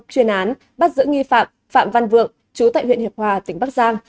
chuyên án bắt giữ nghi phạm phạm văn vượng chú tại huyện hiệp hòa tỉnh bắc giang